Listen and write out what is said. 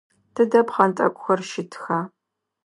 Тыдэ пхъэнтӏэкӏухэр щытыха?